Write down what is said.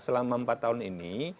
selama empat tahun ini